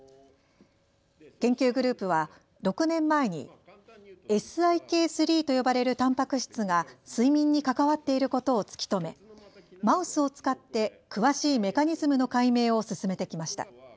研究グループは６年前にＳＩＫ３と呼ばれるたんぱく質が睡眠に関わっていることを突き止め、マウスを使って詳しいメカニズムの解明を進めてきました。